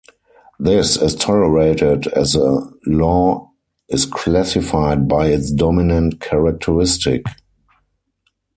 This is tolerated, as a law is classified by its dominant characteristic.